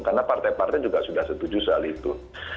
karena partai partai juga sudah setuju soal itu